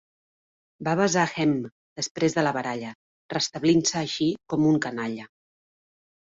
Va besar Hemme després de la baralla, restablint-se així com un canalla.